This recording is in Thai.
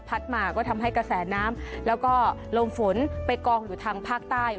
มาก็ทำให้กระแสน้ำแล้วก็ลมฝนไปกองอยู่ทางภาคใต้